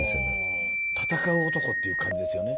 闘う男っていう感じですよね